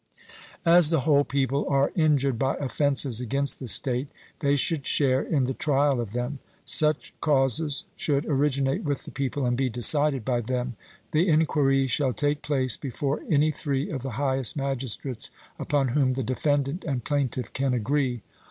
As the whole people are injured by offences against the state, they should share in the trial of them. Such causes should originate with the people and be decided by them: the enquiry shall take place before any three of the highest magistrates upon whom the defendant and plaintiff can agree.